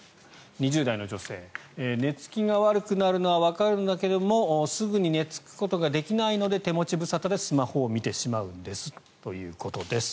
２０代の女性、寝付きが悪くなるのはわかるんだけれどすぐに寝付くことができないので手持ちぶさたでスマホを見てしまうんですということです。